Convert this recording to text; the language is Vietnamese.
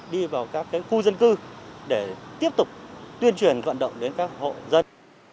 đi vào các khu dân cư để tiếp tục tuyên truyền vận động đến các hộ dân